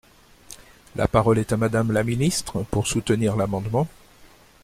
La parole est à Madame la ministre, pour soutenir l’amendement.